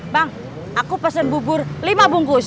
bang aku pesen bubur lima bungkus